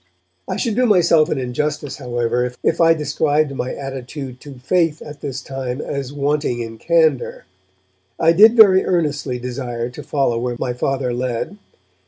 I should do myself an injustice, however, if I described my attitude to faith at this time as wanting in candour. I did very earnestly desire to follow where my Father led.